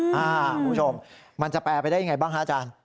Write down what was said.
คุณผู้ชมมันจะแปลไปได้ยังไงบ้างคะอาจารย์